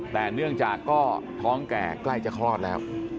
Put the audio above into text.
แต่เนื่องจากก็ท้องแก่ใกล้จะคลอดแล้ว